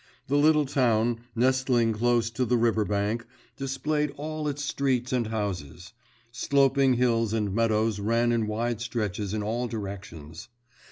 The little town, nestling close to the river bank, displayed all its streets and houses; sloping hills and meadows ran in wide stretches in all directions.